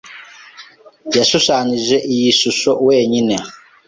Yashushanyije iyi shusho wenyine?